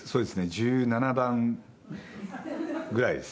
十七番ぐらいです。